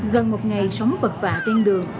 gần một ngày sống vật vả trên đường